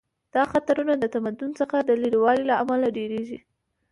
دا خطرونه د تمدن څخه د لرې والي له امله ډیریږي